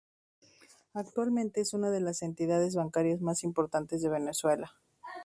Actualmente es una de las entidades bancarias más importantes de Venezuela.